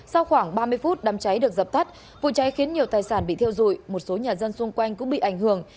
sau khoảng ba mươi phút đám cháy được dập tắt vụ cháy khiến nhiều tài sản bị thiêu dụi một số nhà dân xung quanh cũng bị ảnh hưởng